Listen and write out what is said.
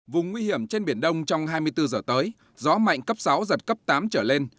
vùng nguy hiểm trên biển đông trong hai mươi bốn giờ tới gió mạnh cấp sáu giật cấp tám trở lên